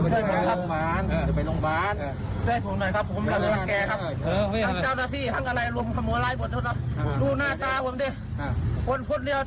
ดูหน้ากลางผมผู้ที่ฟะตายแต่ช่วยหลายคน